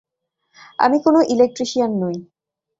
আমি কোনও ইলেকট্রিশিয়ান নই!